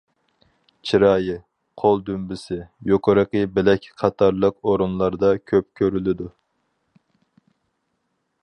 چىرايى، قول دۈمبىسى، يۇقىرىقى بىلەك قاتارلىق ئورۇنلاردا كۆپ كۆرۈلىدۇ.